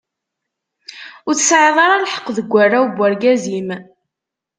Ur tesɛiḍ ara lḥeq deg warraw n urgaz-im.